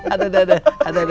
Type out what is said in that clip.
aduh aduh aduh